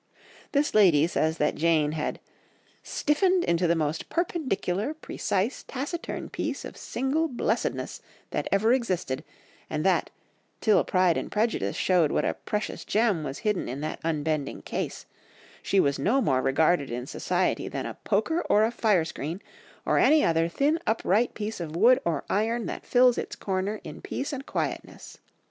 This lady says that Jane had "stiffened into the most perpendicular, precise, taciturn piece of single blessedness that ever existed, and that, till Pride and Prejudice showed what a precious gem was hidden in that unbending case, she was no more regarded in society than a poker or a fire screen or any other thin upright piece of wood or iron that fills its corner in peace and quietness.